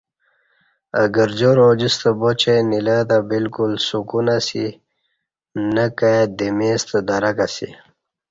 اہ گرجار اوجِستہ با چہ نیلہ تہ با لکُل سُکون اسی نہ کائی دمی ستہ درک اسی